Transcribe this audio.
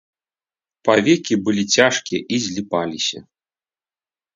Павекі былі цяжкія і зліпаліся.